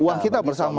uang kita bersama